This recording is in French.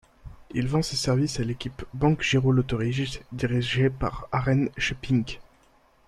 Il vend ses services à l'équipe BankGiroLoterij, dirigée par Arend Scheppink.